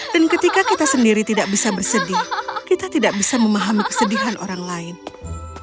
dan ketika kita sendiri tidak bisa bersedih kita tidak bisa memahami kesedihan lainnya